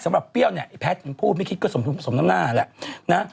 สำหรับเปรี้ยวเนี่ยพรพูดไม่คิดก็ศมน้ำหน้าแหละ